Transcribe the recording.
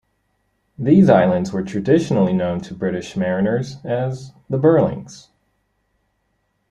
These islands were traditionally known to British mariners as "the Burlings".